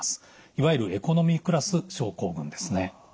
いわゆるエコノミークラス症候群ですね。